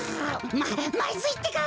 ままずいってか！